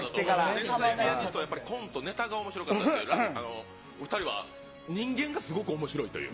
天才ピアニストはやっぱり、コント、ネタがおもしろかったですけど、お２人は人間がすごくおもしろいという。